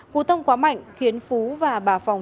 cụ tông quá mạnh khiến phú và bà phòng